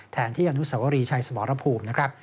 ที่อนุสวรีชัยสมรภูมินะครับ